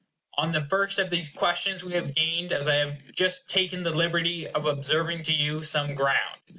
On the first of these questions we have gained, as I have just taken the liberty of observing to you, some ground.